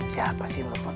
siapa sih yang telepon